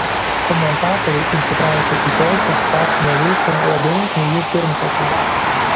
Komentatoriai įsitraukė į teisės praktinę veiklą labiau nei jų pirmtakai.